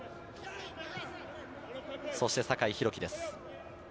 そして酒井宏樹です。